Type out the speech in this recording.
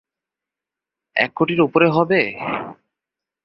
এক কোটির ওপরে হবে?